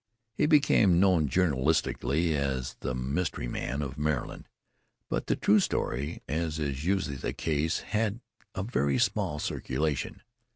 He became known, journalistically, as the Mystery Man of Maryland. But the true story, as is usually the case, had a very small circulation.